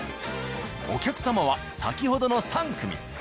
お客様は先ほどの３組。